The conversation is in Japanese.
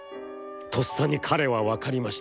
とっさに彼は分りました。